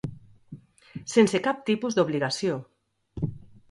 Sense cap tipus d'obligació.